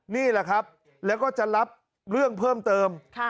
นี่แหละครับแล้วก็จะรับเรื่องเพิ่มเติม